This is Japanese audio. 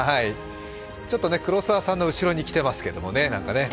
ちょっと黒澤さんの後ろに来ていますけどね。